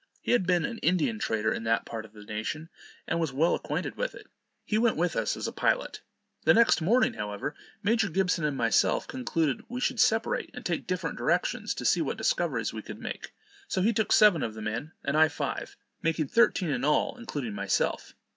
He had been an Indian trader in that part of the nation, and was well acquainted with it. He went with us as a pilot. The next morning, however, Major Gibson and myself concluded we should separate and take different directions to see what discoveries we could make; so he took seven of the men, and I five, making thirteen in all, including myself.